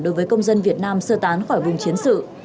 đối với công dân việt nam sơ tán khỏi vùng chiến sự